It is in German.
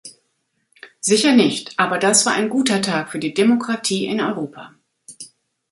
Sicher nicht, aber das war ein guter Tag für die Demokratie in Europa.